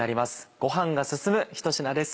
ご飯が進むひと品です